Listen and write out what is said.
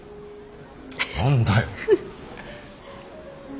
何だよ！